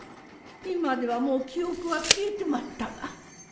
今ではもう記憶は消えてまったが。